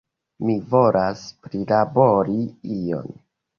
Mi volas prilabori ion!